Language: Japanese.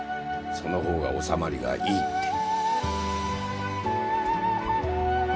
その方が納まりがいいって。